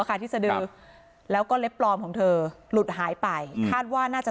ค่ะที่สดือแล้วก็เล็บปลอมของเธอหลุดหายไปคาดว่าน่าจะ